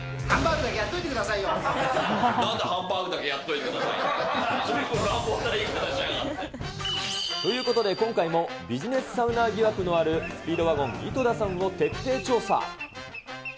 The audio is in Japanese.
ずいぶん乱暴な言い方しやがって。ということで、今回もビジネスサウナー疑惑のあるスピードワゴン・井戸田さんを徹底調査。